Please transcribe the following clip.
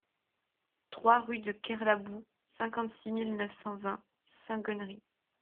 trois rue de Kerlaboux, cinquante-six mille neuf cent vingt Saint-Gonnery